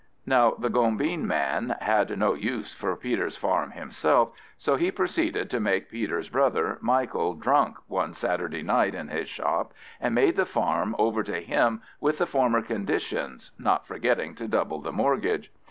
Now the gombeen man had no use for Peter's farm himself, so he proceeded to make Peter's brother, Michael, drunk one Saturday night in his shop, and made the farm over to him with the former conditions, not forgetting to double the mortgage.